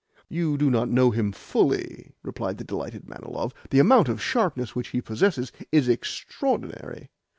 "You do not know him fully," replied the delighted Manilov. "The amount of sharpness which he possesses is extraordinary.